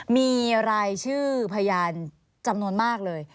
มีรายชื่อพยานจำนวนมากเลย